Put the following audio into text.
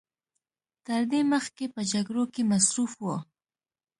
تر دې مخکې به په جګړو کې مصروف و.